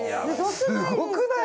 すごくない？